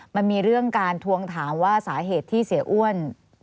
มันมีเรื่องการทวงถามว่าสาเหตุที่เสียอ้วน